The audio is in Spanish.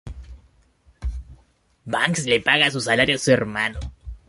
Banks le paga su salario a su hermano.